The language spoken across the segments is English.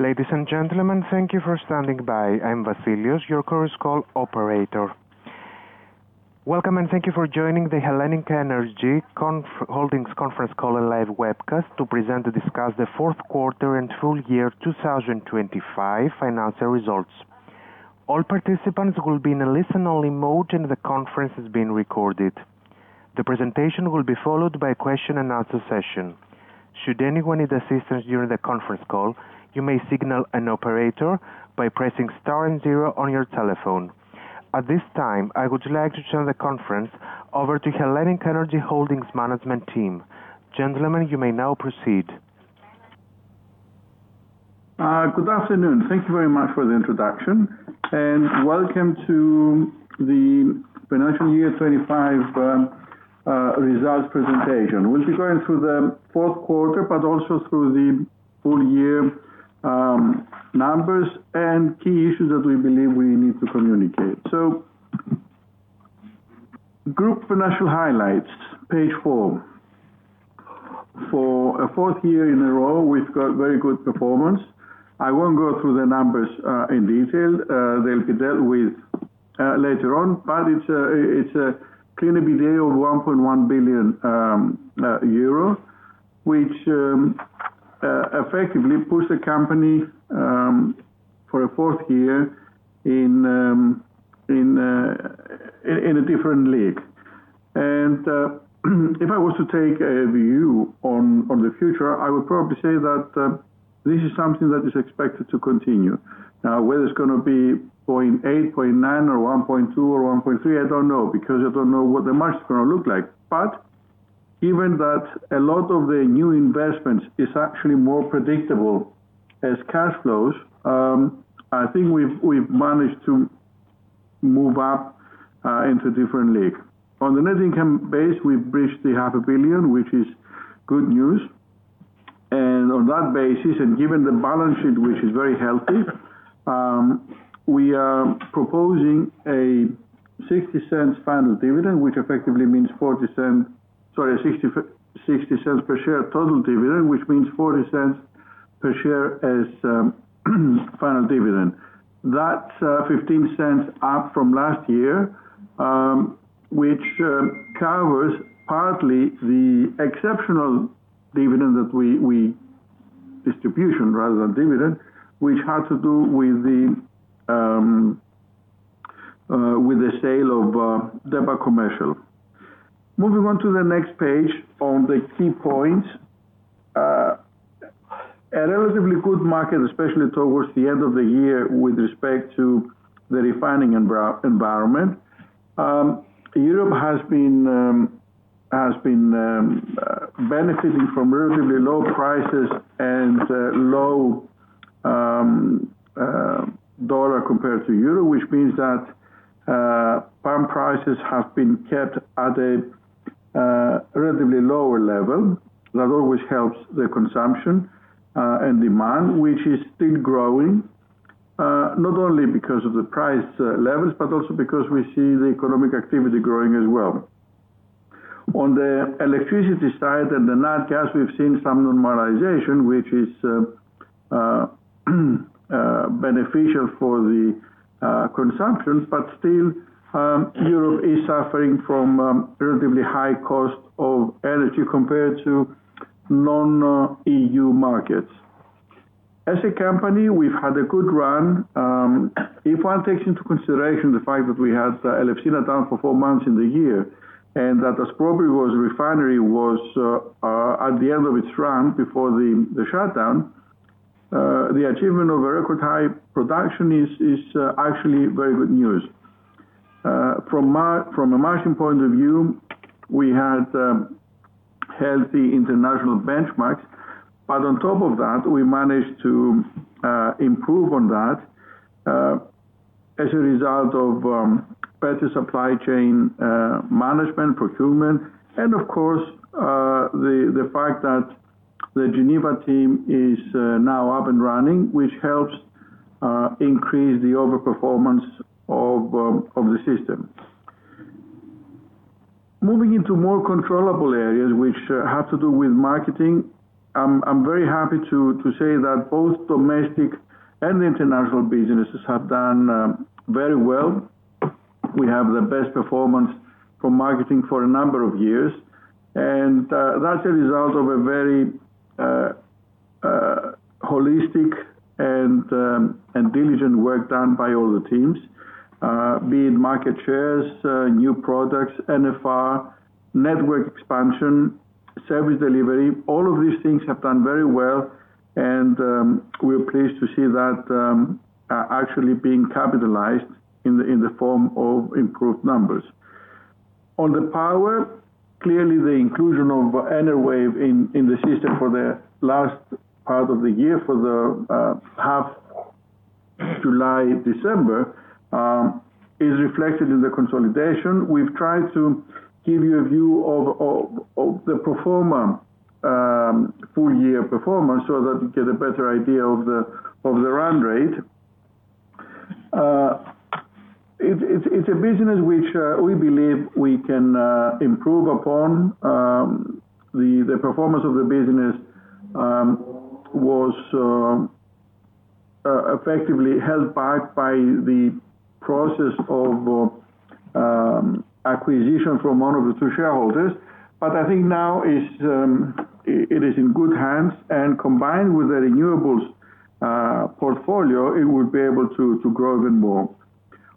Ladies and gentlemen, thank you for standing by. I'm Vasileios, your current call operator. Welcome, thank you for joining the HELLENiQ ENERGY Holdings conference call and live webcast to present and discuss the fourth quarter and full year 2025 financial results. All participants will be in a listen-only mode. The conference is being recorded. The presentation will be followed by a question and answer session. Should anyone need assistance during the conference call, you may signal an operator by pressing star zero on your telephone. At this time, I would like to turn the conference over to HELLENiQ ENERGY Holdings management team. Gentlemen, you may now proceed. Good afternoon. Thank you very much for the introduction, and welcome to the financial year 2025 results presentation. We'll be going through the fourth quarter, but also through the full year numbers and key issues that we believe we need to communicate. Group financial highlights, page 4. For a fourth year in a row, we've got very good performance. I won't go through the numbers in detail, they'll be dealt with later on, but it's a clean EBITDA of 1.1 billion euro, which effectively puts the company for a fourth year in a different league. If I was to take a view on the future, I would probably say that this is something that is expected to continue. Whether it's gonna be 0.8, 0.9, or 1.2, or 1.3, I don't know, because I don't know what the market's gonna look like. Given that a lot of the new investment is actually more predictable as cash flows, I think we've managed to move up into a different league. On the net income base, we've reached the half a billion, which is good news. On that basis, and given the balance sheet, which is very healthy, we are proposing a 0.60 final dividend, which effectively means 0.40. Sorry, 0.60 per share total dividend, which means 0.40 per share as final dividend. That's 0.15 up from last year, which covers partly the exceptional dividend that we distribution rather than dividend, which had to do with the sale of DEPA Commercial. Moving on to the next page on the key points. A relatively good market, especially towards the end of the year, with respect to the refining environment. Europe has been benefiting from relatively low prices and low dollar compared to euro, which means that palm prices have been kept at a relatively lower level. That always helps the consumption and demand, which is still growing, not only because of the price levels, but also because we see the economic activity growing as well. On the electricity side and the nat gas, we've seen some normalization, which is beneficial for the consumption, but still, Europe is suffering from relatively high cost of energy compared to non-EU markets. As a company, we've had a good run. If one takes into consideration the fact that we had Elefsina down for four months in the year, and that Aspropyrgos refinery was at the end of its run before the shutdown, the achievement of a record high production is actually very good news. From a margin point of view, we had healthy international benchmarks, but on top of that, we managed to improve on that as a result of better supply chain management, procurement, and of course, the fact that the Geneva team is now up and running, which helps increase the overperformance of the system. Moving into more controllable areas, which have to do with marketing. I'm very happy to say that both domestic and international businesses have done very well. We have the best performance for marketing for a number of years, and that's a result of a very holistic and diligent work done by all the teams, be it market shares, new products, NFR, network expansion, service delivery, all of these things have done very well, and we're pleased to see that actually being capitalized in the, in the form of improved numbers. On the power, clearly, the inclusion of Enerwave in the system for the last part of the year, for the half July, December, is reflected in the consolidation. We've tried to give you a view of the performer, full year performance, so that you get a better idea of the run rate. It's a business which we believe we can improve upon. The performance of the business was effectively held back by the process of acquisition from one of the two shareholders. I think now it is in good hands, and combined with the renewables portfolio, it will be able to grow even more.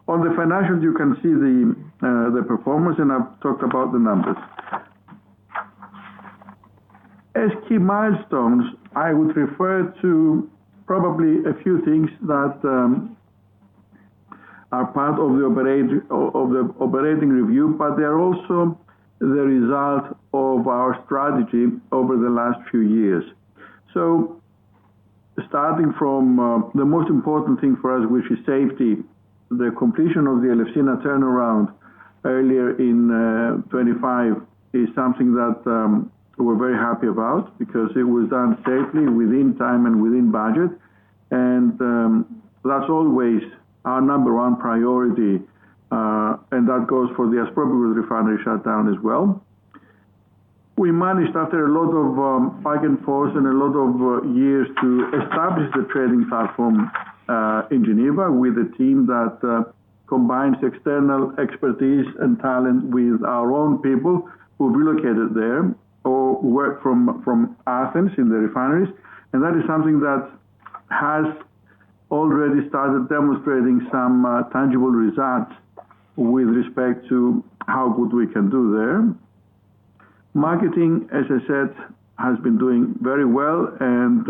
On the financials, you can see the performance, and I've talked about the numbers. As key milestones, I would refer to probably a few things that are part of the operating review, but they are also the result of our strategy over the last few years. Starting from the most important thing for us, which is safety, the completion of the Elefsina turnaround earlier in 2025, is something that we're very happy about because it was done safely, within time and within budget. That's always our number one priority, and that goes for the Aspropyrgos refinery shutdown as well. We managed, after a lot of back and forth and a lot of years, to establish the trading platform in Geneva, with a team that combines external expertise and talent with our own people who relocated there or work from Athens in the refineries. That is something that has already started demonstrating some tangible results with respect to how good we can do there. Marketing, as I said, has been doing very well, and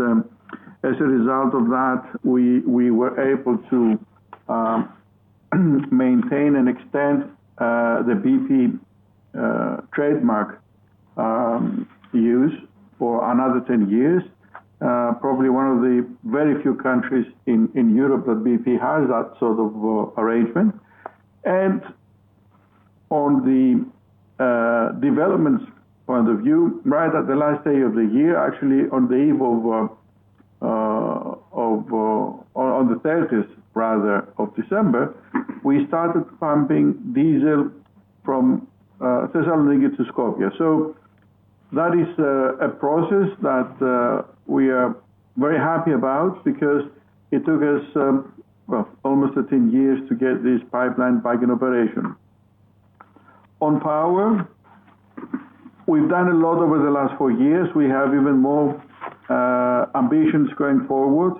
as a result of that, we were able to maintain and extend the BP trademark use for another 10 years. Probably one of the very few countries in Europe that BP has that sort of arrangement. On the developments point of view, right at the last day of the year, actually, on the eve of, on the 30th rather, of December, we started pumping diesel from Thessaloniki to Skopje. That is a process that we are very happy about because it took us, well, almost 13 years to get this pipeline back in operation. On power, we've done a lot over the last four years. We have even more ambitions going forward.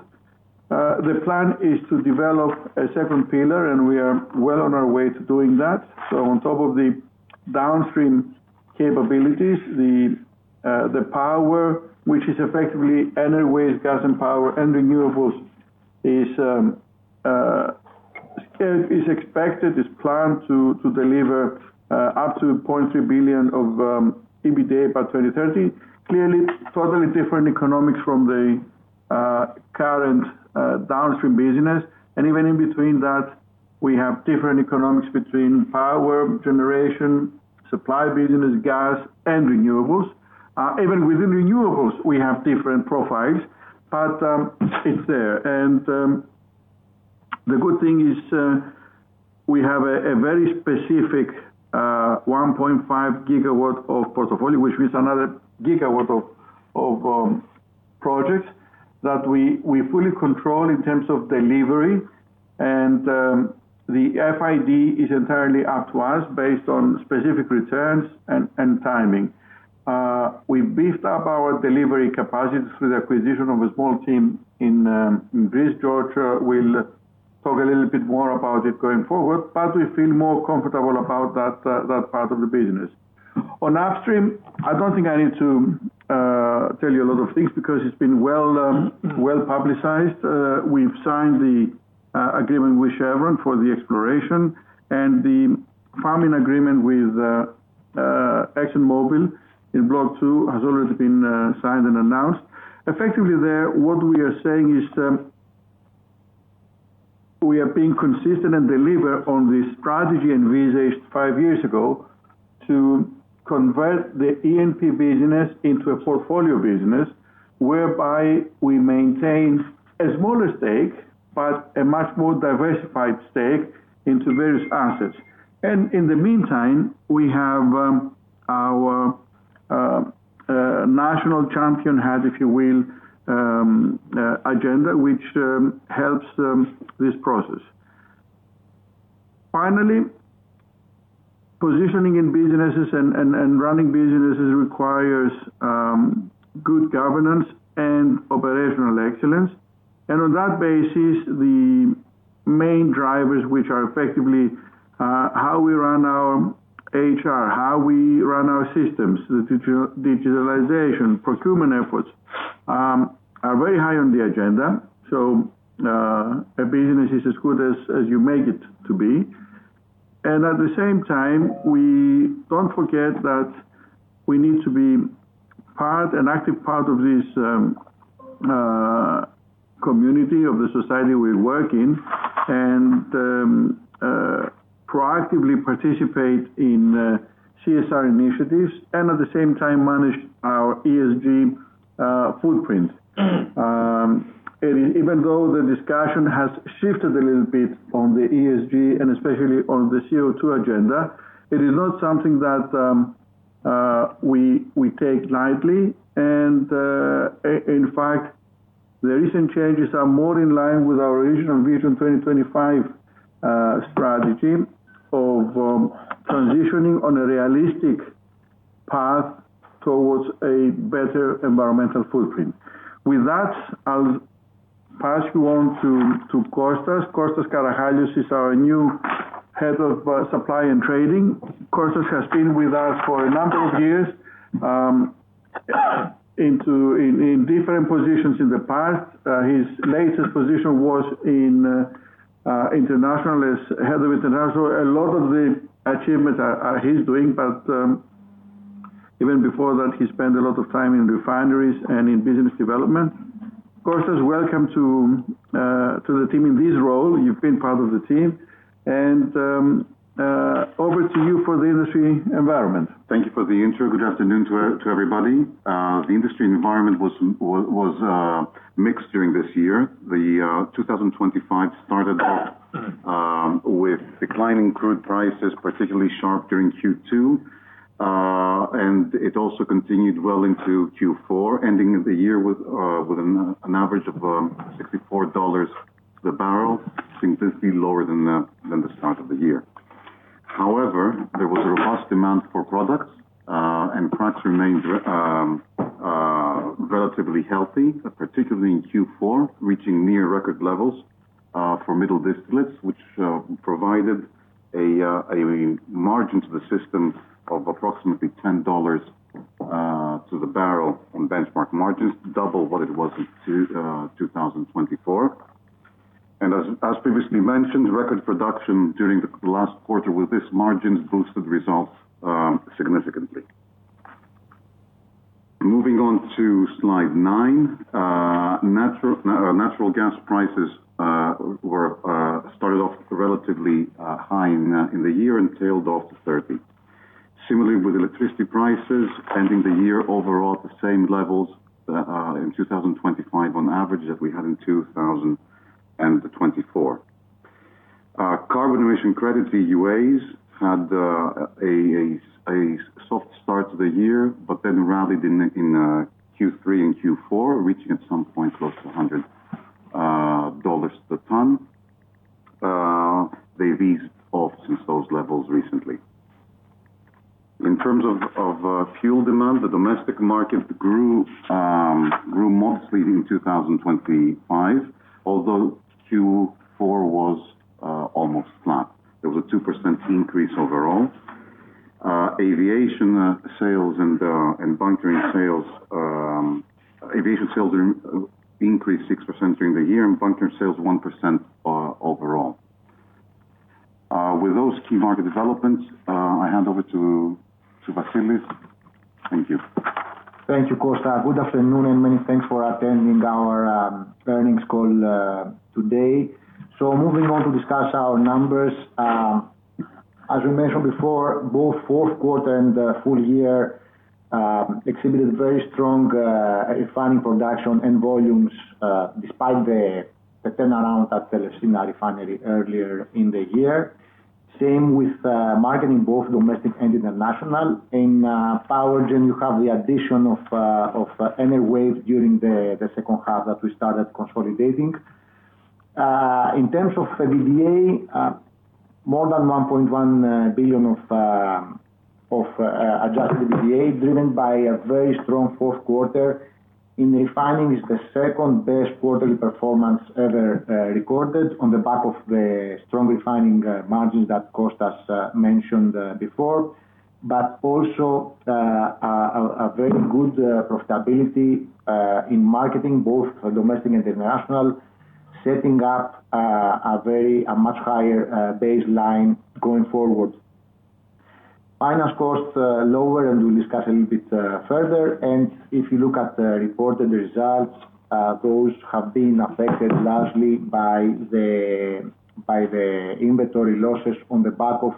The plan is to develop a second pillar, and we are well on our way to doing that. On top of the downstream capabilities, the power, which is effectively anyways gas and power and renewables, is expected, is planned to deliver up to 0.3 billion of EBITDA by 2030. Clearly, totally different economics from the current downstream business. Even in between that, we have different economics between power generation, supply business, gas and renewables. Even within renewables, we have different profiles, but it's there. The good thing is, we have a very specific 1.5 GW of portfolio, which is another gigawatt of projects that we fully control in terms of delivery. The FID is entirely up to us, based on specific returns and timing. We beefed up our delivery capacities through the acquisition of a small team in Greece, Georgia. We'll talk a little bit more about it going forward, but we feel more comfortable about that part of the business. On upstream, I don't think I need to tell you a lot of things because it's been well, well publicized. We've signed the agreement with Chevron for the exploration, and the farming agreement with ExxonMobil in Block 2 has already been signed and announced. Effectively there, what we are saying is, we are being consistent and deliver on the strategy and vision 5 years ago, to convert the E&P business into a portfolio business, whereby we maintain a smaller stake, but a much more diversified stake into various assets. In the meantime, we have our national champion hat, if you will, agenda, which helps this process. Finally, positioning in businesses and running businesses requires good governance and operational excellence. On that basis, the main drivers, which are effectively, how we run our HR, how we run our systems, the digitalization, procurement efforts, are very high on the agenda. A business is as good as you make it to be. At the same time, we don't forget that we need to be part, an active part of this community, of the society we work in, and proactively participate in CSR initiatives and at the same time, manage our ESG footprint. Even though the discussion has shifted a little bit on the ESG and especially on the CO2 agenda, it is not something that. we take lightly. In fact, the recent changes are more in line with our original vision, 2025 strategy of transitioning on a realistic path towards a better environmental footprint. With that, I'll pass you on to Kostas. Kostas Karachalios is our new Head of Supply and Trading. Kostas has been with us for a number of years in different positions in the past. His latest position was in international, as Head of International. A lot of the achievements are his doing, but even before that, he spent a lot of time in refineries and in business development. Kostas, welcome to the team in this role. You've been part of the team, and over to you for the industry environment. Thank you for the intro. Good afternoon to everybody. The industry environment was mixed during this year. The 2025 started off with declining crude prices, particularly sharp during Q2. It also continued well into Q4, ending the year with an average of $69 per barrel, significantly lower than the start of the year. However, there was a robust demand for products, and cracks remained relatively healthy, particularly in Q4, reaching near record levels for middle distillates, which provided a margin to the system of approximately $10 to the barrel on benchmark margins, double what it was in 2024. As previously mentioned, record production during the last quarter with this margins boosted results significantly. Moving on to slide 9. Natural gas prices started off relatively high in the year and tailed off to 30. Similarly, with electricity prices ending the year overall at the same levels in 2025 on average, as we had in 2024. Carbon emission credit, the EUAs, had a soft start to the year, rallied in Q3 and Q4, reaching at some point, close to $100 per ton. They've eased off since those levels recently. In terms of fuel demand, the domestic market grew mostly in 2025, although Q4 was almost flat. There was a 2% increase overall. Aviation sales and bunkering sales, aviation sales increased 6% during the year, and bunkering sales, 1%, overall. With those key market developments, I hand over to Vasilis. Thank you. Thank you, Kostas. Good afternoon, and many thanks for attending our earnings call today. Moving on to discuss our numbers. As we mentioned before, both fourth quarter and the full year exhibited very strong refining production and volumes despite the turnaround at the Elefsina Refinery earlier in the year. Same with marketing, both domestic and international. In power gen, you have the addition of Enerwave during the second half that we started consolidating. In terms of the EBITDA, more than 1.1 billion of Adjusted EBITDA, driven by a very strong fourth quarter. In refining, is the second best quarterly performance ever recorded on the back of the strong refining margins that Kostas mentioned before. Also, a very good profitability in marketing, both domestic and international, setting up a very, a much higher baseline going forward. Finance costs are lower, and we'll discuss a little bit further. If you look at the reported results, those have been affected largely by the inventory losses on the back of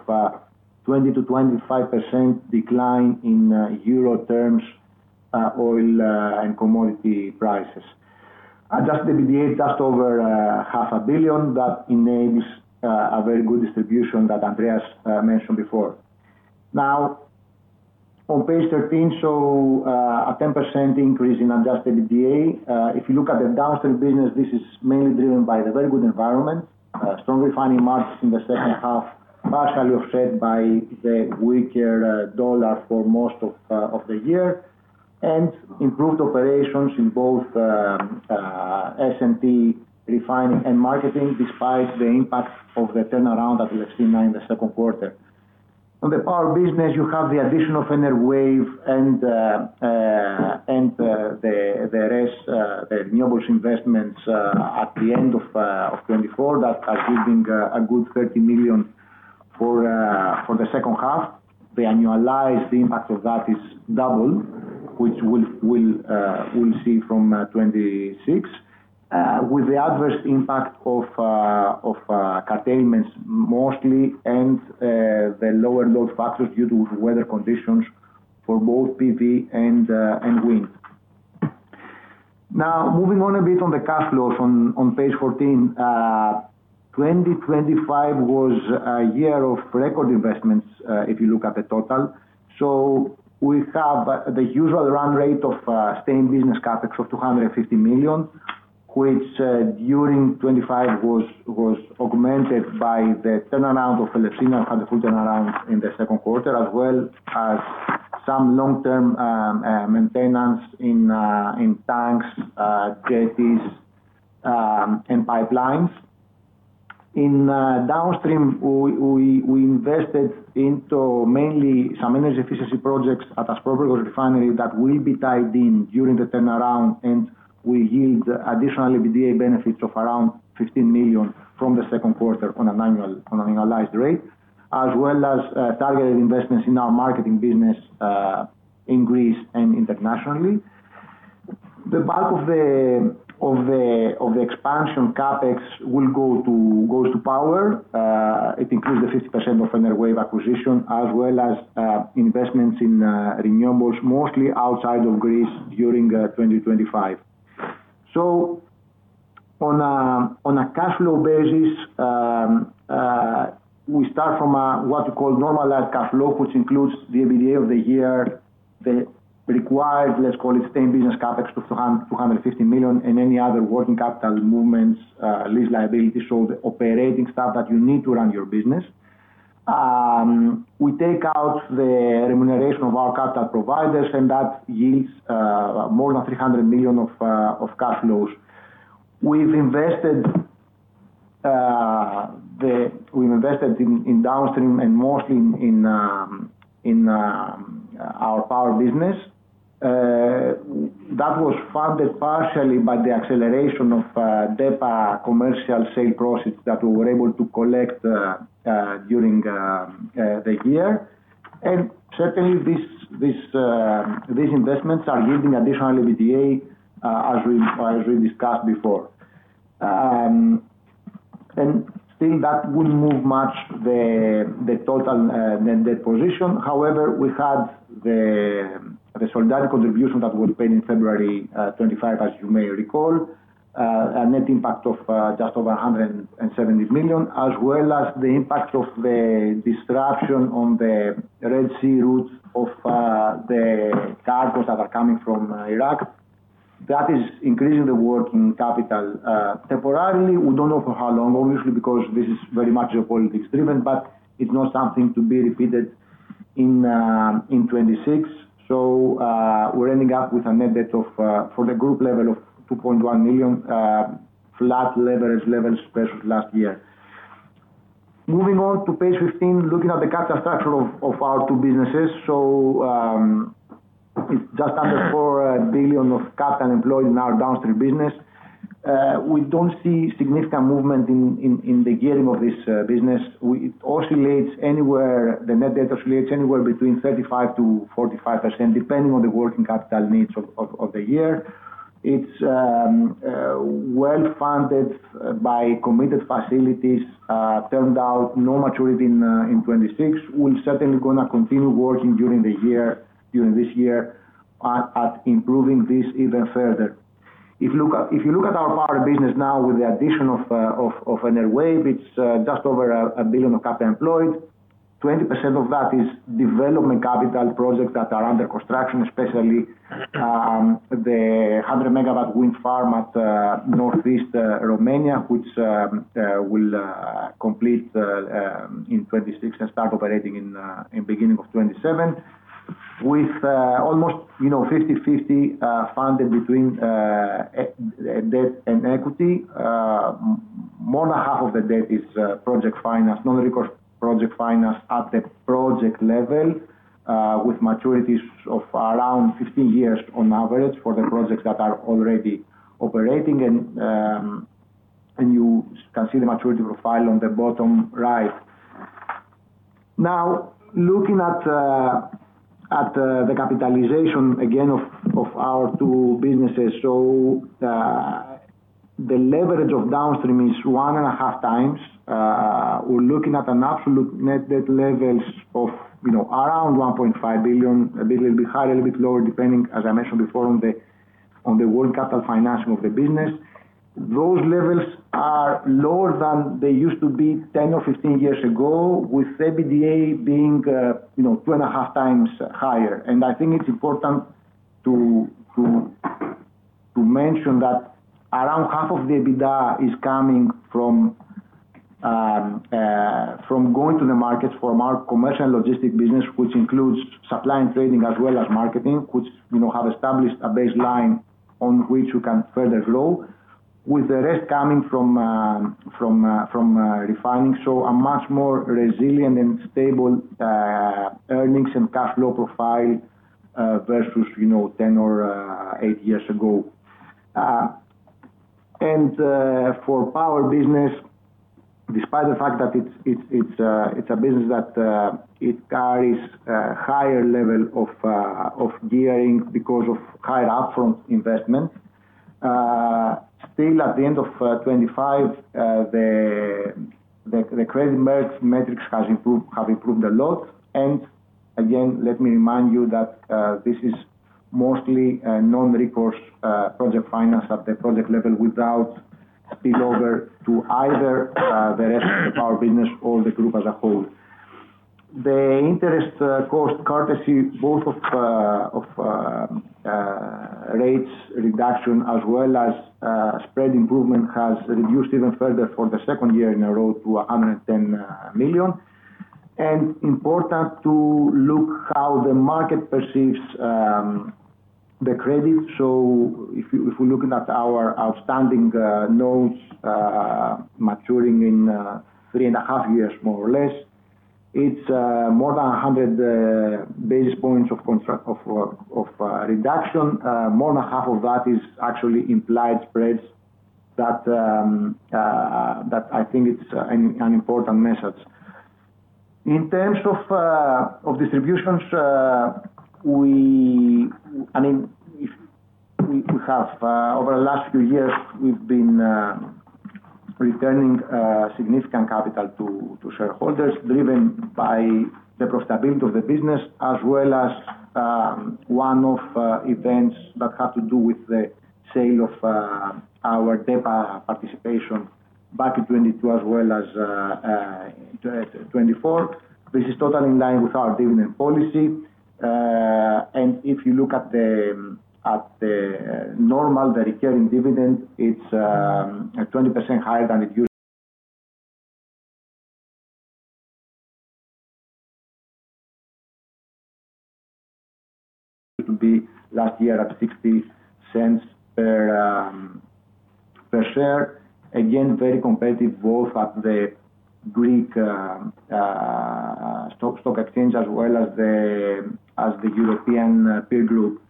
20%-25% decline in EUR terms, oil, and commodity prices. Adjusted EBITDA, just over 0.5 billion, that enables a very good distribution that Andreas mentioned before. On page 13, a 10% increase in Adjusted EBITDA. If you look at the downstream business, this is mainly driven by the very good environment. Strong refining margins in the second half, partially offset by the weaker dollar for most of the year, and improved operations in both RS&T refining and marketing, despite the impact of the turnaround at Elefsina in the second quarter. On the power business, you have the addition of Enerwave and the rest, the renewables investments at the end of 2024, that are giving a good 30 million for the second half. The annualized impact of that is double, which we'll see from 2026. With the adverse impact of curtailments mostly, and the lower load factors due to weather conditions for both PV and wind. Moving on a bit on the cash flows on page 14, 2025 was a year of record investments if you look at the total. We have the usual run rate of staying business CapEx of 250 million, which during 2025 was augmented by the turnaround of Elefsina had a full turnaround in the second quarter, as well as some long-term maintenance in tanks, jetties, and pipelines. In downstream, we invested into mainly some energy efficiency projects at Aspropyrgos Refinery that will be tied in during the turnaround and will yield additional EBITDA benefits of around 15 million from the second quarter on an annualized rate, as well as targeted investments in our marketing business in Greece and internationally. The bulk of the expansion CapEx goes to power. It includes the 50% of Enerwave acquisition, as well as investments in renewables, mostly outside of Greece during 2025. On a cash flow basis, we start from a what we call normalized cash flow, which includes the EBITDA of the year, the required, let's call it, same business CapEx of 250 million, and any other working capital movements, lease liabilities, so the operating stuff that you need to run your business. We take out the remuneration of our capital providers, that yields more than 300 million of cash flows. We've invested in downstream and mostly in our power business. That was funded partially by the acceleration of DEPA Commercial sale proceeds that we were able to collect during the year. Certainly, this, these investments are yielding additional EBITDA as we discussed before. Still, that wouldn't move much the total net debt position. However, we had the Solidarity Contribution that was paid in February 2025, as you may recall. A net impact of just over 170 million, as well as the impact of the disruption on the Red Sea routes of the cargos that are coming from Iraq. That is increasing the working capital temporarily. We don't know for how long, obviously, because this is very much a political driven, but it's not something to be repeated in 2026. We're ending up with a net debt of for the group level of 2.1 billion, flat leverage levels versus last year. Moving on to page 15, looking at the capital structure of our two businesses. It's just under 4 billion of capital employed in our downstream business. We don't see significant movement in the gearing of this business. It oscillates anywhere, the net debt oscillates anywhere between 35%-45%, depending on the working capital needs of the year. It's well-funded by committed facilities, turned out no maturity in 2026. We're certainly gonna continue working during the year, during this year, at improving this even further. If you look at, if you look at our power business now with the addition of Enerwave, it's just over 1 billion of capital employed. 20% of that is development capital projects that are under construction, especially the 100 MW wind farm at Northeast Romania, which will complete in 2026 and start operating in beginning of 2027. With almost, you know, 50/50 funded between debt and equity, more than half of the debt is project finance, non-recourse project finance at the project level, with maturities of around 15 years on average for the projects that are already operating. You can see the maturity profile on the bottom right. Now, looking at the capitalization, again, of our two businesses. The leverage of downstream is 1.5x. We're looking at an absolute net debt levels of, you know, around 1.5 billion, a bit little bit higher, a little bit lower, depending, as I mentioned before, on the working capital financing of the business. Those levels are lower than they used to be 10 or 15 years ago, with EBITDA being, you know, 2.5x higher. I think it's important to mention that around half of the EBITDA is coming from going to the market for our commercial logistic business, which includes supply and trading, as well as marketing, which, you know, have established a baseline on which we can further grow, with the rest coming from refining. A much more resilient and stable earnings and cash flow profile versus, you know, ten or eight years ago. For power business, despite the fact that it's a business that it carries a higher level of gearing because of high upfront investment... Still at the end of 2025, the credit merge metrics have improved a lot. Again, let me remind you that this is mostly a non-recourse project finance at the project level, without spillover to either the rest of the power business or the group as a whole. The interest cost, courtesy both of rates reduction as well as spread improvement, has reduced even further for the second year in a row to 110 million. Important to look how the market perceives the credit. If we're looking at our outstanding loans maturing in 3.5 years, more or less, it's more than 100 basis points of reduction. More than half of that is actually implied spreads that I think it's an important message. In terms of distributions, I mean, if we have over the last few years, we've been returning significant capital to shareholders, driven by the profitability of the business, as well as one-off events that have to do with the sale of our DEPA participation back in 2022, as well as 2024. This is totally in line with our dividend policy. If you look at the normal, the recurring dividend, it's 20% higher than it used- To be last year at 0.60 per share. Again, very competitive, both at the Greek stock exchange, as well as the European peer group.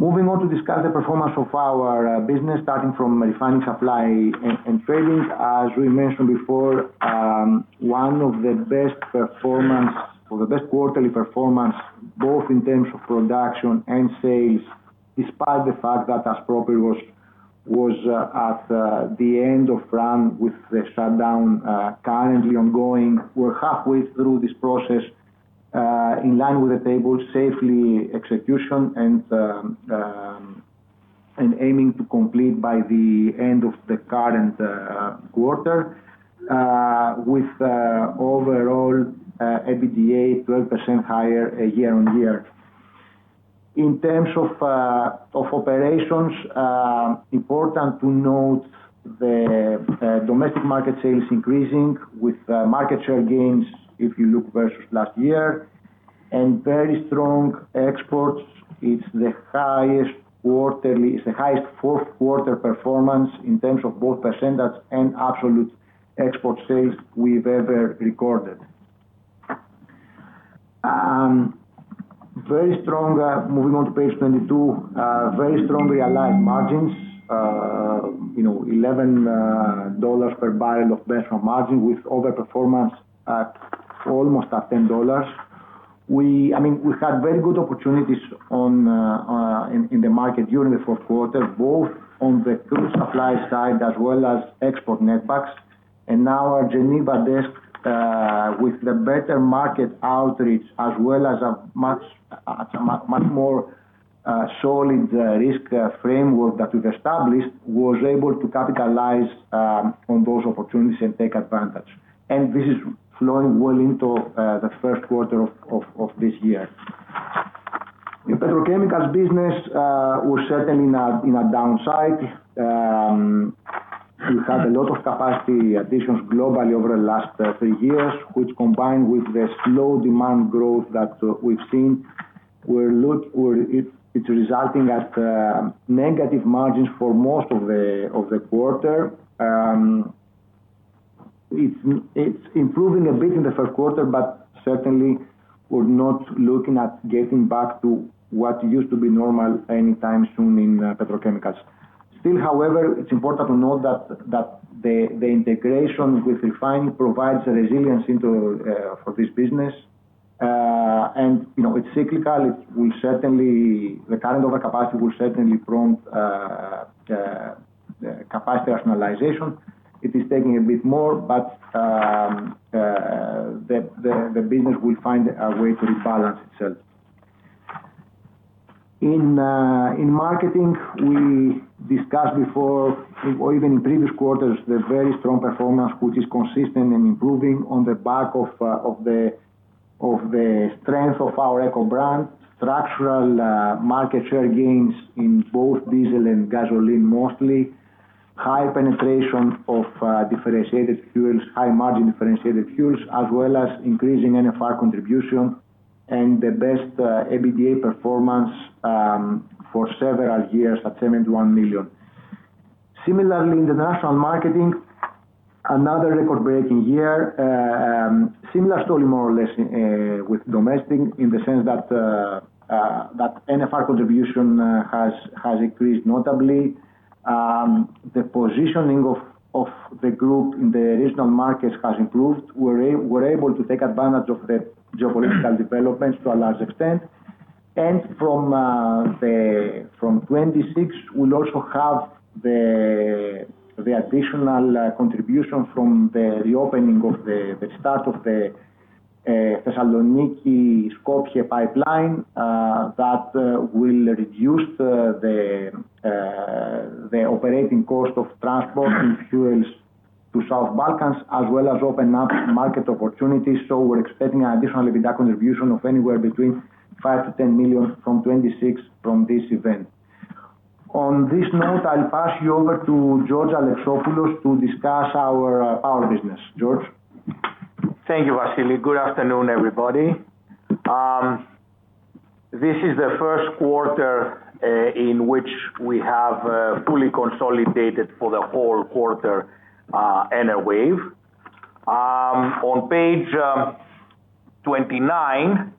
Moving on to discuss the performance of our business, starting from Refining, Supply & Trading. As we mentioned before, one of the best performance or the best quarterly performance, both in terms of production and sales, despite the fact that Aspropyrgos was at the end of run with the shutdown currently ongoing. We're halfway through this process, in line with the table, safely execution and aiming to complete by the end of the current quarter, with overall EBITDA 12% higher year-on-year. In terms of operations, important to note the domestic market sales increasing with market share gains, if you look versus last year, and very strong exports. It's the highest fourth quarter performance in terms of both percentage and absolute export sales we've ever recorded. Very strong, moving on to page 22. Very strong realized margins, $11 per barrel of benchmark margin, with overperformance at almost $10. I mean, we had very good opportunities in the market during the fourth quarter, both on the crude supply side as well as export netbacks. Now our Geneva desk, with the better market outreach, as well as a much much more solid risk framework that we've established, was able to capitalize on those opportunities and take advantage. This is flowing well into the first quarter of this year. In petrochemicals business, we're certainly in a downside. We've had a lot of capacity additions globally over the last 3 years, which combined with the slow demand growth that we've seen, we're it's resulting at negative margins for most of the quarter. It's improving a bit in the first quarter, but certainly we're not looking at getting back to what used to be normal anytime soon in petrochemicals. It's important to note that the integration with refining provides a resilience into for this business. You know, it's cyclical. It will certainly, the current overcapacity will certainly prompt capacity rationalization. It is taking a bit more, the business will find a way to rebalance itself. In marketing, we discussed before, or even in previous quarters, the very strong performance, which is consistent and improving on the back of the strength of our EKO brand, structural market share gains in both diesel and gasoline, mostly. High penetration of differentiated fuels, high-margin differentiated fuels, as well as increasing NFR contribution and the best EBITDA performance for several years, at 7 to 1 million. Similarly, international marketing, another record-breaking year. Similar story, more or less, with domestic, in the sense that NFR contribution has increased notably. The positioning of the group in the regional markets has improved. We're able to take advantage of the geopolitical developments to a large extent. From 2026, we'll also have the additional contribution from the reopening of the start of the Thessaloniki-Skopje pipeline that will reduce the operating cost of transport and fuels to South Balkans, as well as open up market opportunities. We're expecting an additional EBITDA contribution of anywhere between 5 million-10 million from 2026 from this event. On this note, I'll pass you over to George Alexopoulos to discuss our power business. George? Thank you, Vasilis. Good afternoon, everybody. This is the first quarter in which we have fully consolidated for the whole quarter, Enerwave. On page 29,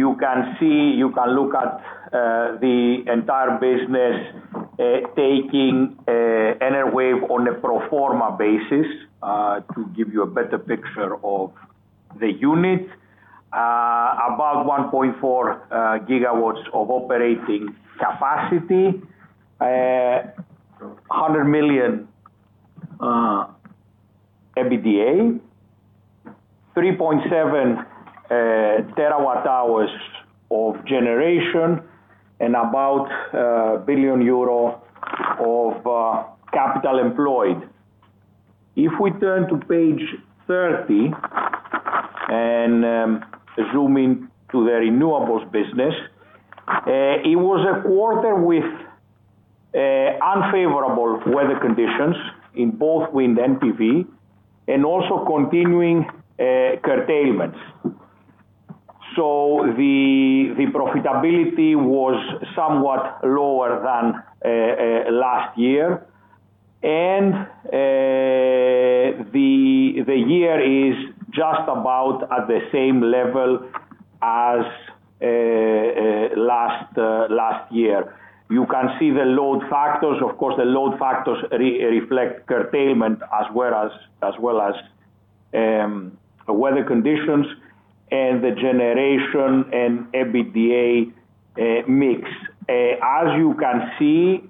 you can see, you can look at the entire business, taking Enerwave on a pro forma basis to give you a better picture of the unit. About 1.4 GW of operating capacity, EUR 100 million EBITDA, 3.7 TWh of generation, and about 1 billion euro of capital employed. If we turn to page 30, and zoom in to the renewables business, it was a quarter with unfavorable weather conditions in both wind and PV, and also continuing curtailments. The profitability was somewhat lower than last year. The year is just about at the same level as last year. You can see the load factors. Of course, the load factors re-reflect curtailment, as well as weather conditions and the generation and EBITDA mix. As you can see,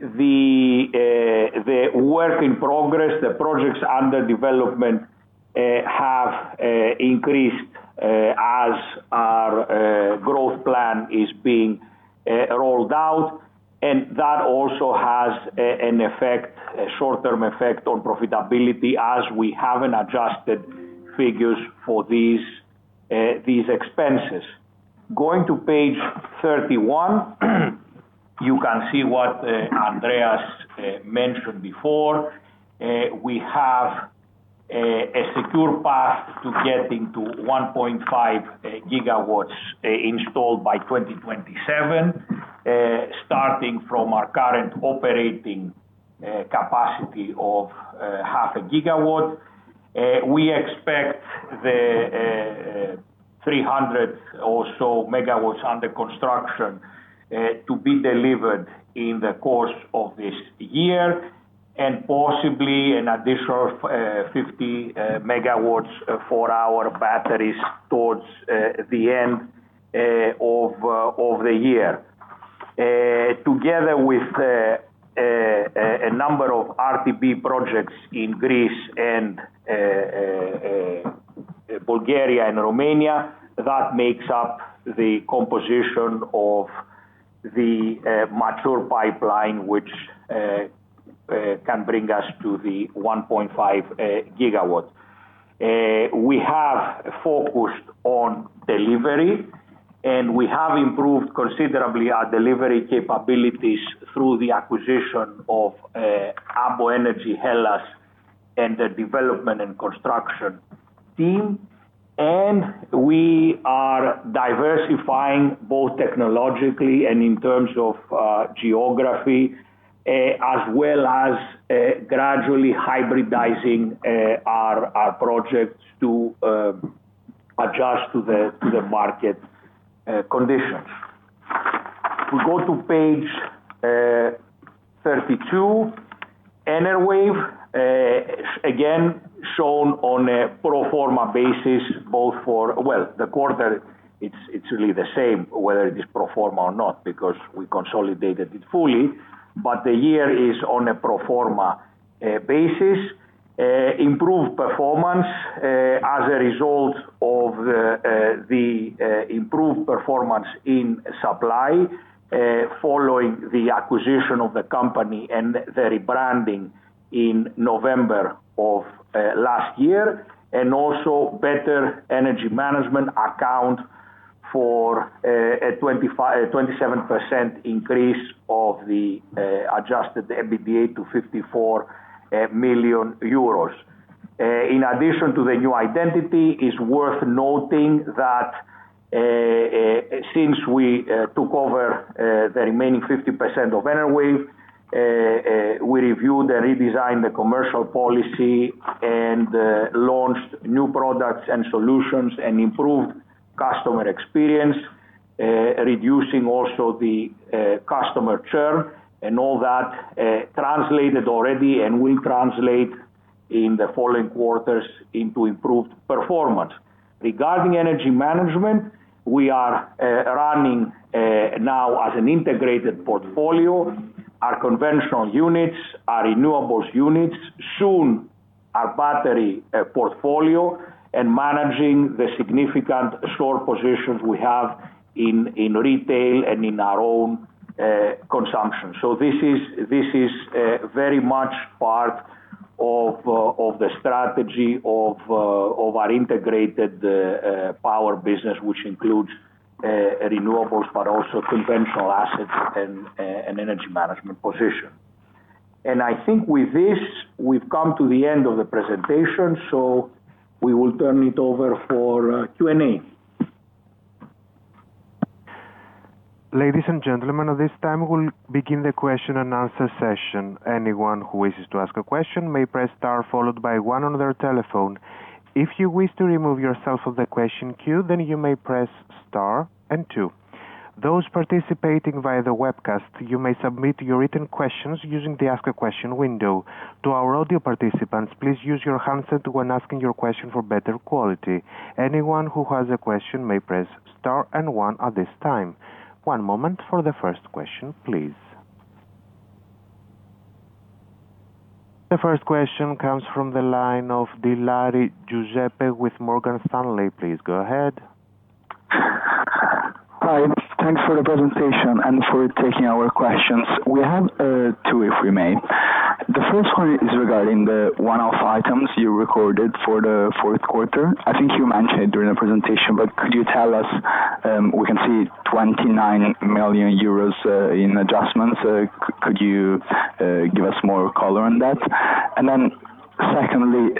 the work in progress, the projects under development, have increased as our growth plan is being rolled out, and that also has an effect, a short-term effect on profitability, as we haven't adjusted figures for these expenses. Going to page 31, you can see what Andreas mentioned before. We have a secure path to getting to 1.5 GW installed by 2027 starting from our current operating capacity of 0.5 GW. We expect the 300 or so megawatts under construction to be delivered in the course of this year, and possibly an additional 50 MW of four-hour batteries towards the end of the year. Together with a number of RTB projects in Greece and Bulgaria and Romania, that makes up the composition of the mature pipeline, which can bring us to the 1.5 GW. We have focused on delivery, and we have improved considerably our delivery capabilities through the acquisition of ABO Energy Hellas and the development and construction team. We are diversifying both technologically and in terms of geography, as well as gradually hybridizing our projects to adjust to the market conditions. We go to page 32. Enerwave again, shown on a pro forma basis, both for... Well, the quarter, it's really the same, whether it is pro forma or not, because we consolidated it fully, but the year is on a pro forma basis. Improved performance as a result of the improved performance in supply following the acquisition of the company and the rebranding in November of last year, and also better energy management account for a 27% increase of the Adjusted EBITDA to 54 million euros. In addition to the new identity, it's worth noting that, since we took over the remaining 50% of Enerwave, we reviewed and redesigned the commercial policy and launched new products and solutions, and improved customer experience, reducing also the customer churn, and all that translated already and will translate. in the following quarters into improved performance. Regarding energy management, we are running now as an integrated portfolio, our conventional units, our renewables units, soon our battery portfolio, and managing the significant short positions we have in retail and in our own consumption. This is very much part of the strategy of our integrated power business, which includes renewables, but also conventional assets and energy management position. I think with this, we've come to the end of the presentation, we will turn it over for Q&A. Ladies and gentlemen, at this time, we'll begin the question and answer session. Anyone who wishes to ask a question may press star followed by one on their telephone. If you wish to remove yourself from the question queue, then you may press star and two. Those participating via the webcast, you may submit your written questions using the Ask a Question window. To our audio participants, please use your handset when asking your question for better quality. Anyone who has a question may press star and one at this time. One moment for the first question, please. The first question comes from the line of Dilari Giuseppe with Morgan Stanley. Please, go ahead. Hi, thanks for the presentation and for taking our questions. We have two, if we may. The first one is regarding the one-off items you recorded for the fourth quarter. I think you mentioned it during the presentation, but could you tell us, we can see 29 million euros in adjustments. Could you give us more color on that? Secondly,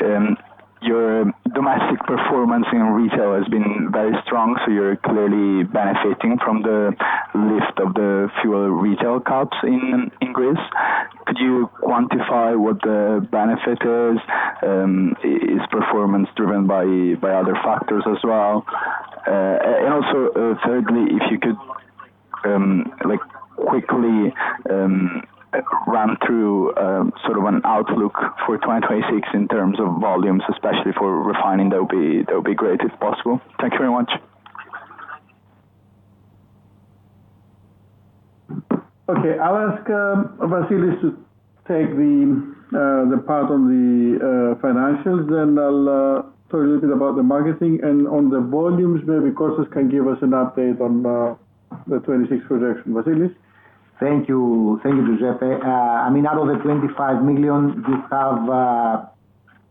your domestic performance in retail has been very strong, so you're clearly benefiting from the lift of the fuel retail cuts in Greece. Could you quantify what the benefit is? Is performance driven by other factors as well? Also, thirdly, if you could like quickly run through sort of an outlook for 2026 in terms of volumes, especially for refining, that would be great, if possible. Thank you very much. Okay. I'll ask Vasilis to take the part on the financials, then I'll talk a little bit about the marketing. And on the volumes, maybe Kostas can give us an update on the 2026 projection. Vasilis? Thank you. Thank you, Giuseppe. I mean, out of the 25 million, we have,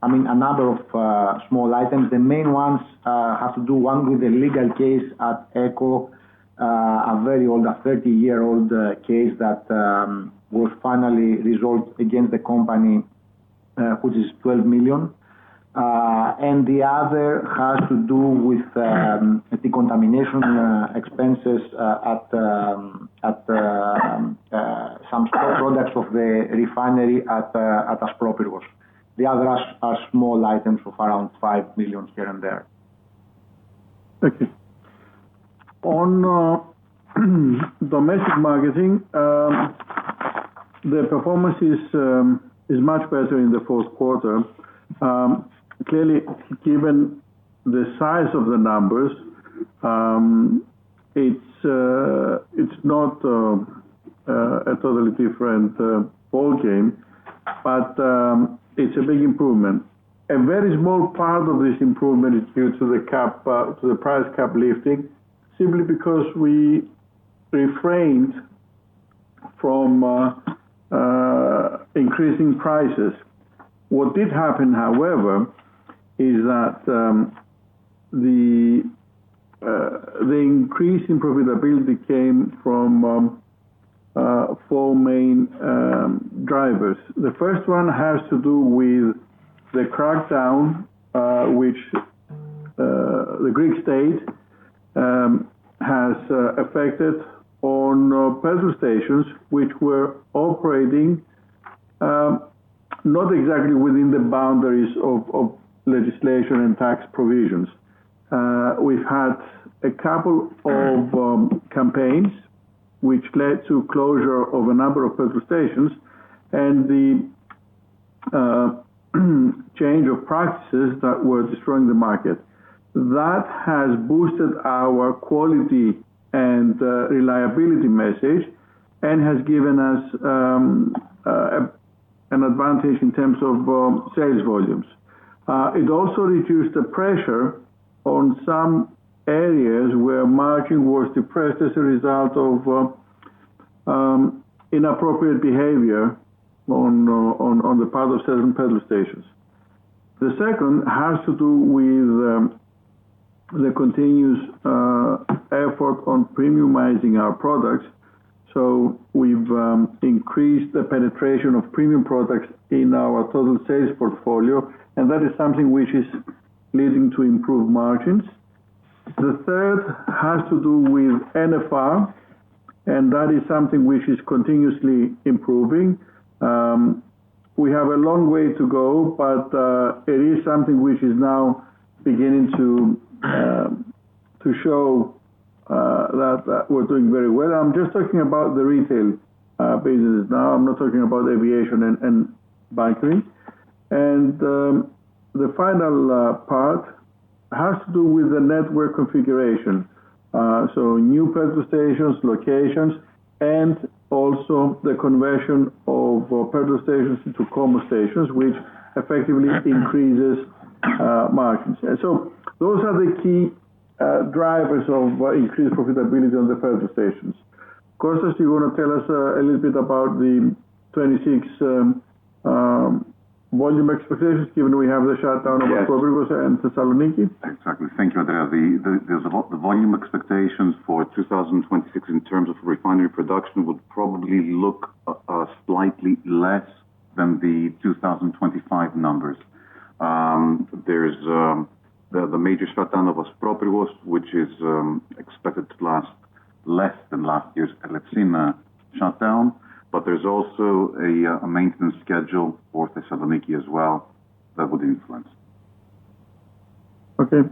I mean, a number of small items. The main ones have to do, one, with a legal case at EKO, a very old, a 30-year-old case that was finally resolved against the company, which is 12 million. The other has to do with the contamination expenses at some products of the refinery at Aspropyrgos. The others are small items of around 5 million here and there. Thank you. On domestic marketing, the performance is much better in the fourth quarter. Clearly, given the size of the numbers, it's not a totally different ball game, but it's a big improvement. A very small part of this improvement is due to the cap, to the price cap lifting, simply because we refrained from increasing prices. What did happen, however, is that the increase in profitability came from four main drivers. The first one has to do with the crackdown, which the Greek state has affected on petrol stations, which were operating not exactly within the boundaries of legislation and tax provisions. We've had a couple of campaigns, which led to closure of a number of petrol stations and the change of practices that were destroying the market. That has boosted our quality and reliability message and has given us an advantage in terms of sales volumes. It also reduced the pressure on some areas where margin was depressed as a result of inappropriate behavior on the part of certain petrol stations. The second has to do with the continuous effort on premiumizing our products. we've increased the penetration of premium products in our total sales portfolio, and that is something which is leading to improved margins. The third has to do with NFR, and that is something which is continuously improving. We have a long way to go, but it is something which is now beginning to show that we're doing very well. I'm just talking about the retail businesses now, I'm not talking about aviation and banking. The final part has to do with the network configuration. New petrol stations, locations, and also the conversion of petrol stations into commercial stations, which effectively increases margins. Those are the key drivers of increased profitability on the petrol stations. Kostas, do you wanna tell us a little bit about the 2026 volume expectations, given we have the shutdown of Aspropyrgos and Thessaloniki? Exactly. Thank you, Andreas. The volume expectations for 2026 in terms of refinery production, would probably look slightly less than the 2025 numbers. There's the major shutdown of Aspropyrgos, which is expected to last less than last year's Elefsina shutdown, but there's also a maintenance schedule for Thessaloniki as well, that would influence. Okay.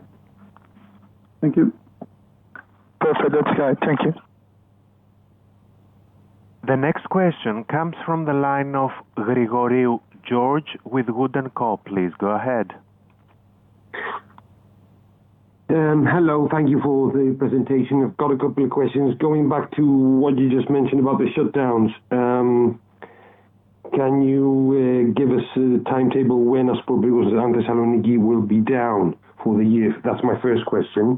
Thank you. Perfect. That's right. Thank you. The next question comes from the line of Grigoriou George with WOOD & Company. Please go ahead. Hello. Thank you for the presentation. I've got a couple of questions. Going back to what you just mentioned about the shutdowns. Can you give us the timetable when Aspropyrgos and Thessaloniki will be down for the year? That's my first question.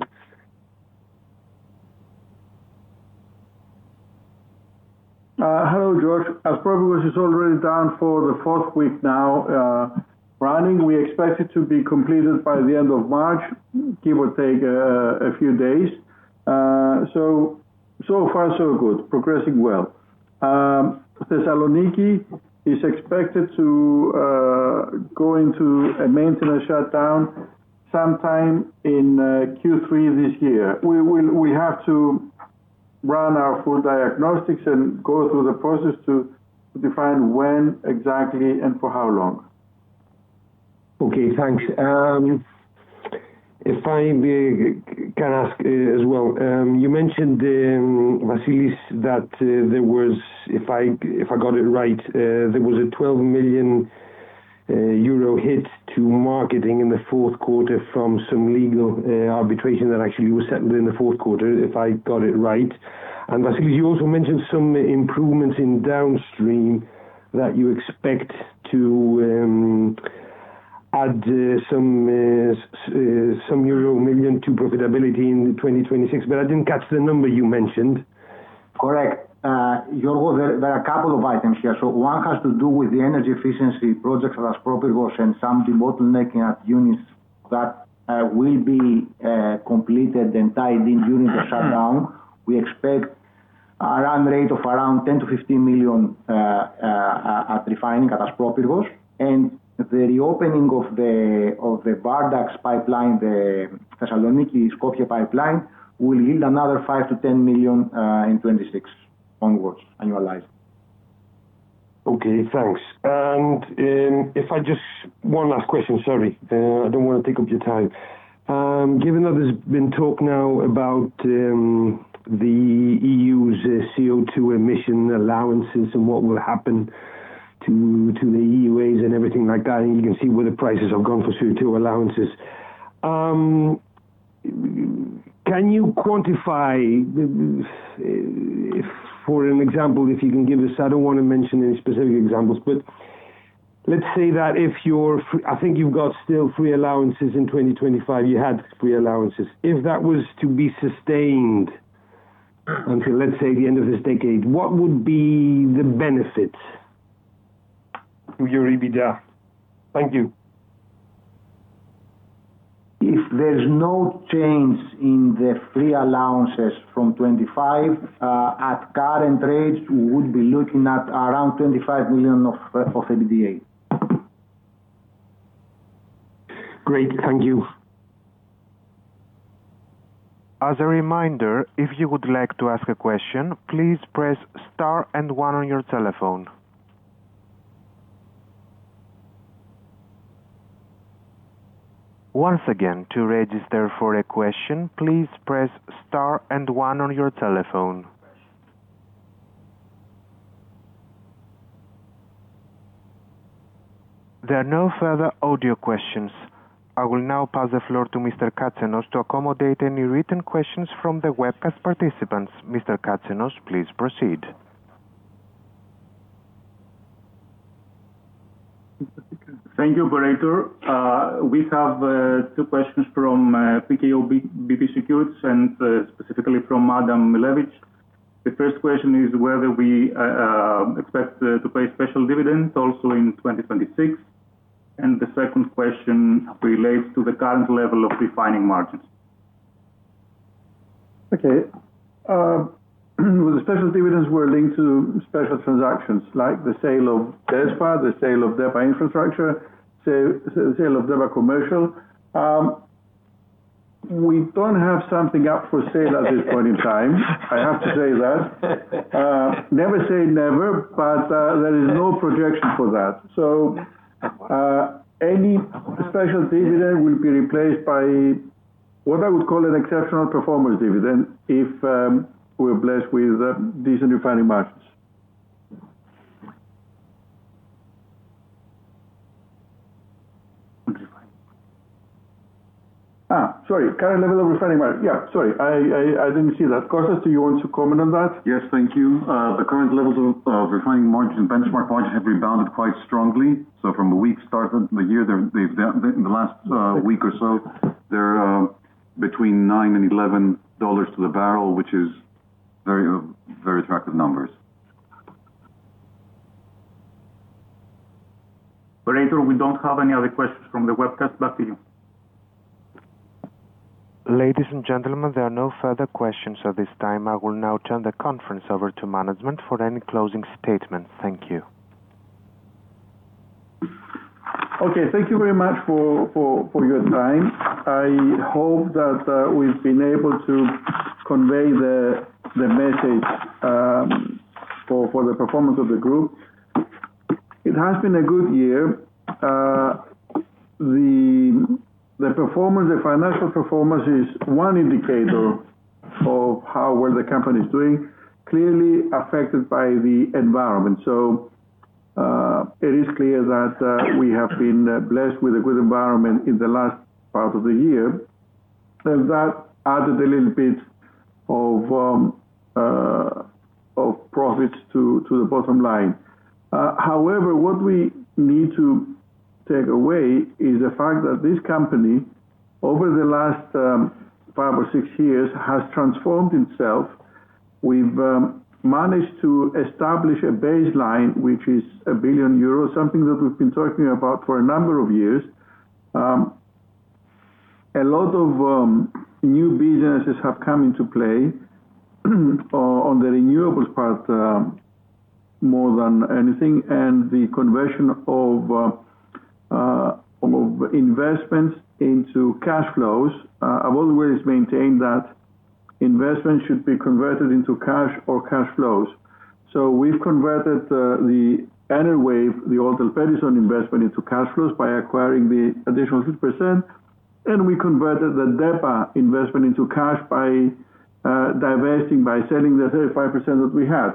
Hello, George. Aspropyrgos is already down for the fourth week now, running. We expect it to be completed by the end of March, give or take a few days. So far, so good. Progressing well. Thessaloniki is expected to go into a maintenance shutdown sometime in Q3 this year. We have to run our full diagnostics and go through the process to define when exactly and for how long. Okay, thanks. If I may, can ask as well. You mentioned, Vasilis, that there was... If I, if I got it right, there was a 12 million euro hit to marketing in the fourth quarter from some legal arbitration that actually was settled in the fourth quarter, if I got it right. Vasilis, you also mentioned some improvements in downstream, that you expect to add some euro million to profitability in 2026, but I didn't catch the number you mentioned. Correct. George, there are a couple of items here. One has to do with the energy efficiency projects at Aspropyrgos and some debottlenecking at units that will be completed and tied in during the shutdown. We expect a run rate of around 10 million-15 million at refining, at Aspropyrgos, and the reopening of the Vardax pipeline, the Thessaloniki-Skopje pipeline, will yield another 5 million-10 million in 2026 onwards, annualized. Okay, thanks. One last question. Sorry, I don't want to take up your time. Given that there's been talk now about the EU's CO2 emission allowances and what will happen to the EUAs and everything like that, and you can see where the prices have gone for CO2 allowances. Can you quantify, if for an example, if you can give us, I don't want to mention any specific examples, but let's say that I think you've got still free allowances in 2025, you had free allowances. If that was to be sustained until, let's say, the end of this decade, what would be the benefit to EBITDA? Thank you. If there's no change in the free allowances from 2025, at current rates, we would be looking at around 25 million of EBITDA. Great, thank you. As a reminder, if you would like to ask a question, please press star and one on your telephone. Once again, to register for a question, please press star and one on your telephone. There are no further audio questions. I will now pass the floor to Mr. Katsenos to accommodate any written questions from the webcast participants. Mr. Katsenos, please proceed. Thank you, operator. We have two questions from PKO BP Securities, and specifically from Adam Milewicz. The first question is whether we expect to pay special dividends also in 2026? The second question relates to the current level of refining margins. Okay. The special dividends were linked to special transactions, like the sale of DESFA, the sale of DEPA Infrastructure, sale of DEPA Commercial. We don't have something up for sale at this point in time. I have to say that. Never say never, there is no projection for that. Any special dividend will be replaced by what I would call an exceptional performance dividend, if we're blessed with decent refining margins. Sorry, current level of refining margin. Yeah, sorry, I didn't see that. Kostas, do you want to comment on that? Yes, thank you. The current levels of refining margin, benchmark margin, have rebounded quite strongly. From a weak start of the year, they've in the last week or so, they're between $9 and $11 to the barrel, which is very attractive numbers. Operator, we don't have any other questions from the webcast. Back to you. Ladies and gentlemen, there are no further questions at this time. I will now turn the conference over to management for any closing statements. Thank you. Okay, thank you very much for your time. I hope that we've been able to convey the message for the performance of the group. It has been a good year. The performance, the financial performance is one indicator of how well the company is doing, clearly affected by the environment. It is clear that we have been blessed with a good environment in the last part of the year, and that added a little bit of profits to the bottom line. However, what we need to take away is the fact that this company, over the last five or six years, has transformed itself. We've managed to establish a baseline, which is 1 billion euros, something that we've been talking about for a number of years. A lot of new businesses have come into play, on the renewables part, more than anything, and the conversion of investments into cash flows. I've always maintained that investment should be converted into cash or cash flows. We've converted the Enerwave, the Ortel Paterson investment into cash flows by acquiring the additional 6%, and we converted the DEPA investment into cash by divesting, by selling the 35% that we had.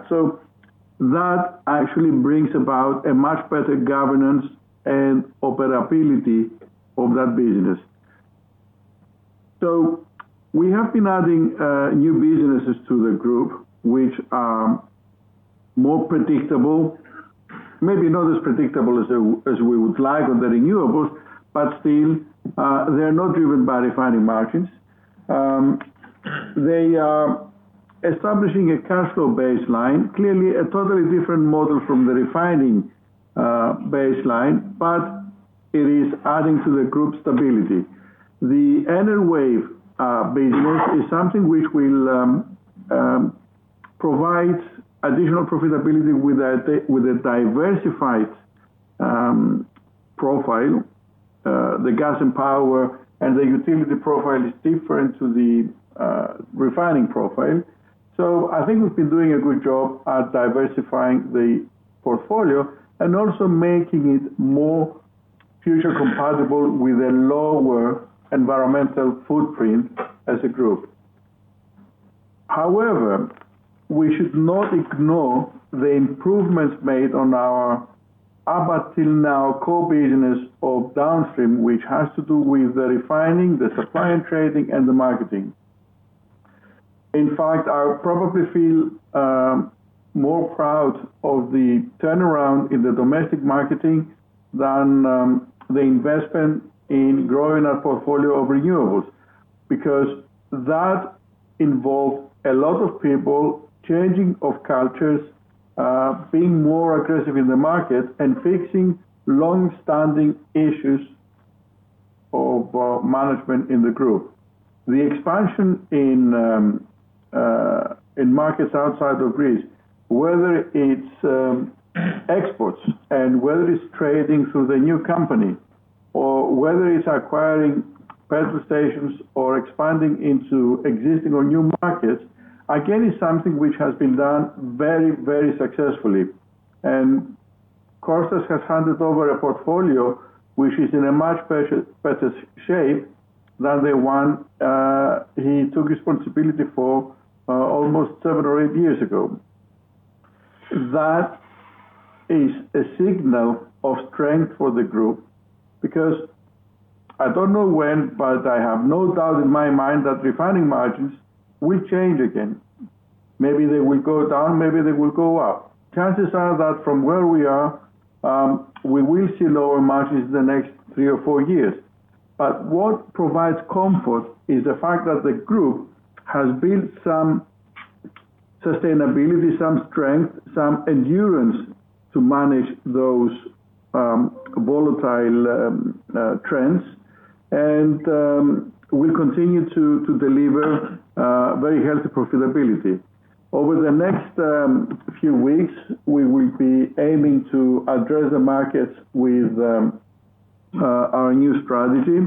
That actually brings about a much better governance and operability of that business. We have been adding new businesses to the group, which are more predictable. Maybe not as predictable as we would like on the renewables, but still, they are not driven by refining margins. They are establishing a cash flow baseline, clearly a totally different model from the refining baseline, but it is adding to the group's stability. The Enerwave business is something which will provide additional profitability with a diversified profile. The gas and power, and the utility profile is different to the refining profile. I think we've been doing a good job at diversifying the portfolio and also making it more future compatible with a lower environmental footprint as a group. However, we should not ignore the improvements made on our, up until now, core business of downstream, which has to do with the refining, the supply and trading, and the marketing. In fact, I probably feel more proud of the turnaround in the domestic marketing than the investment in growing our portfolio of renewables. Because that involved a lot of people, changing of cultures, being more aggressive in the market and fixing long-standing issues of management in the group. The expansion in markets outside of Greece, whether it's exports and whether it's trading through the new company, or whether it's acquiring petrol stations or expanding into existing or new markets, again, is something which has been done very, very successfully. Kostas has handed over a portfolio which is in a much better shape than the one he took responsibility for almost 7 or 8 years ago. That is a signal of strength for the group, because I don't know when, but I have no doubt in my mind that refining margins will change again. Maybe they will go down, maybe they will go up. Chances are that from where we are, we will see lower margins the next three or four years. What provides comfort is the fact that the group has built some sustainability, some strength, some endurance to manage those volatile trends, and we'll continue to deliver very healthy profitability. Over the next few weeks, we will be aiming to address the markets with our new strategy.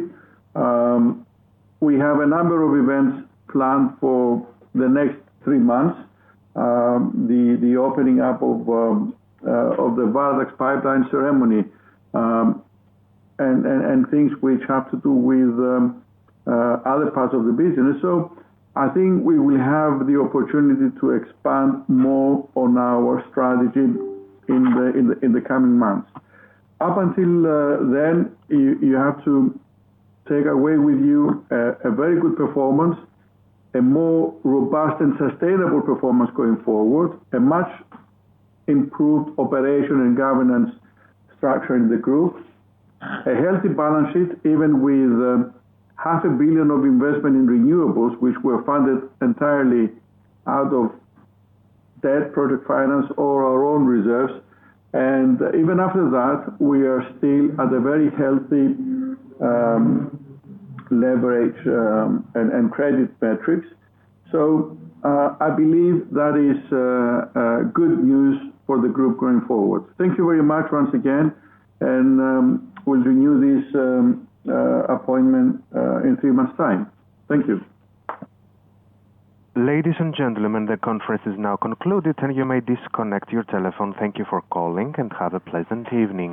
We have a number of events planned for the next three months. The opening up of the Vardax pipeline ceremony, and things which have to do with other parts of the business. I think we will have the opportunity to expand more on our strategy in the coming months. Up until then, you have to take away with you a very good performance, a more robust and sustainable performance going forward, a much improved operation and governance structure in the group. A healthy balance sheet, even with half a billion of investment in renewables, which were funded entirely out of debt, project finance, or our own reserves. Even after that, we are still at a very healthy leverage and credit metrics. I believe that is good news for the group going forward. Thank you very much once again, and we'll renew this appointment in 3 months' time. Thank you. Ladies and gentlemen, the conference is now concluded, and you may disconnect your telephone. Thank you for calling, and have a pleasant evening.